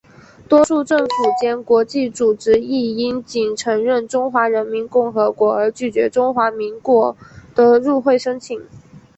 多数政府间国际组织亦因仅承认中华人民共和国而拒绝中华民国的入会申请。